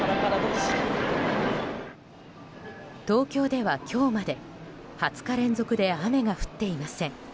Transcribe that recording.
東京では今日まで２０日連続で雨が降っていません。